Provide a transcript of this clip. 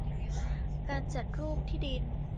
การจัดรูปที่ดิน